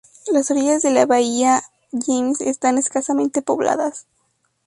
Las orillas de la bahía James están escasamente pobladas.